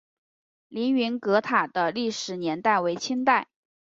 凌云阁塔的历史年代为清代。